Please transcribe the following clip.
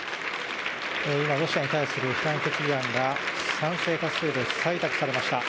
今、ロシアに対する非難決議案が賛成多数で採択されました。